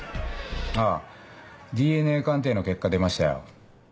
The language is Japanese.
あぁＤＮＡ鑑定の結果出ましたよ。